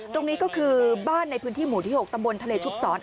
ตรงนี้ก็คือบ้านในพื้นที่หมู่ที่๖ตำบลทะเลชุบศร